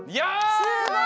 すごい！